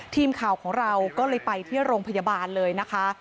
ทีมข่าวของเราก็เลยไปที่โรงพยาบาลเลยนะคะ